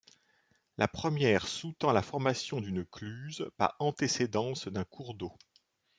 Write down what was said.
La première sous-tend la formation d'une cluse par antécédence d'un cours d'eau.